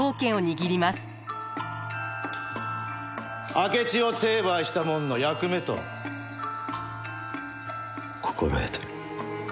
明智を成敗したもんの役目と心得とる。